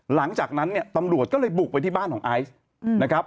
หลังจากนั้นเนี่ยตำรวจก็เลยบุกไปที่บ้านของไอซ์นะครับ